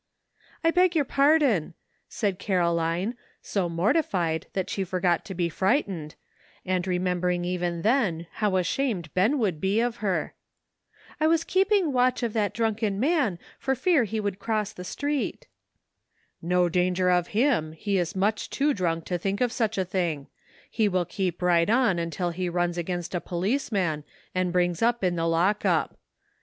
"I beg your pardon," said Caroline, so morti fied that she forgot to be frightened, and re membering: even then how ashamed Ben would be of her. "I was keeping watch of that A TRYING POSITION. 133 drunken man for fear he would cross the street." " No danger of him, he is much too drunk to tliink of such a thing ; he will keep right on until he runs against a policeman, and brings up in the lock up.